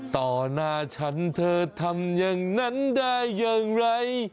ต่อหน้าฉันเธอทำอย่างนั้นได้อย่างไร